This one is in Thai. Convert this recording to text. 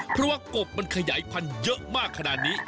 เพราะว่ากบมันขยายพันธุ์เยอะมากขนาดนี้